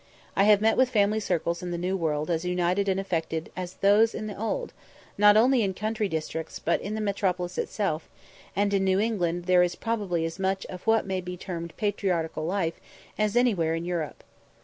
I have met with family circles in the New World as united and affectionate as those in the Old, not only in country districts, but in the metropolis itself; and in New England there is probably as much of what may be termed patriarchal life as anywhere in Europe.